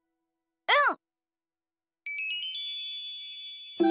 うん！